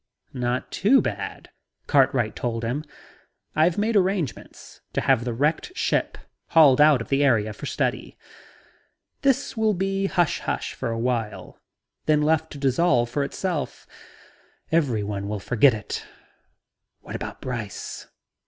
"Not too bad," Cartwell told him. "I've made arrangements to have the wrecked ship hauled out of the area for study. This will be hush hush for awhile, then left to dissolve of itself. Everyone will forget it..." "What about Brice?"